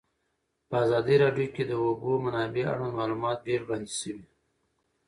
په ازادي راډیو کې د د اوبو منابع اړوند معلومات ډېر وړاندې شوي.